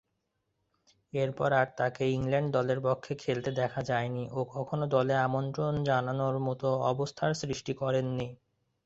এরপর আর তাকে ইংল্যান্ড দলের পক্ষে খেলতে দেখা যায়নি ও কখনো দলে আমন্ত্রণ জানানোর মতো অবস্থার সৃষ্টি করেননি।